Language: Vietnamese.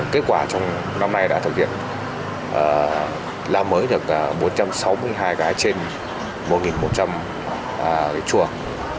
kết quả trong năm nay đã thực hiện làm mới được bốn trăm sáu mươi hai cái trên một một trăm linh chuồng